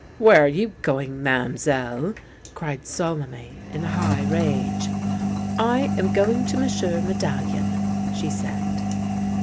" Where are you going, Ma'm' sellc ?" cried Solime, in high rage. " I am going to M'sieu' Medallion," she said.